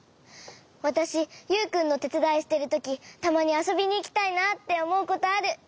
わたしユウくんのてつだいしてるときたまにあそびにいきたいなっておもうことある！